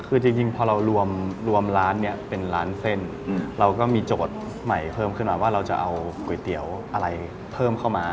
คือจริงพอเรารวมร้านเนี่ยเป็นร้านเส้นเราก็มีโจทย์ใหม่เพิ่มขึ้นมาว่าเราจะเอาก๋วยเตี๋ยวอะไรเพิ่มเข้ามา